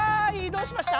どうしました？